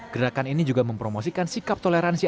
gerakan ini juga mempromosikan sikap toleransi